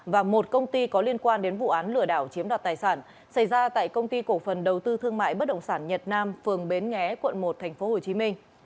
và một công ty có liên quan đến vụ án lửa đảo chiếm đoạt tài sản xảy ra tại công ty cổ phần đầu tư thương mại bất động sản nhật nam phường bến nghé quận một tp hcm